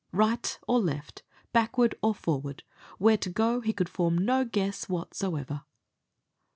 Right or left backward or forward where to go he could form no guess whatsoever.